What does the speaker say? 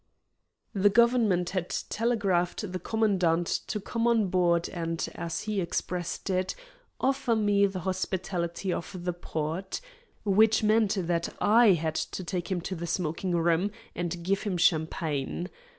The Government had telegraphed the commandant to come on board and, as he expressed it, "offer me the hospitality of the port," which meant that I had to take him to the smoking room and give him champagne.